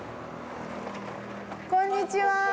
こんにちは。